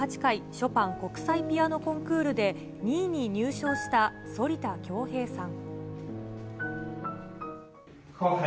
ショパン国際ピアノコンクールで２位に入賞した反田恭平さん。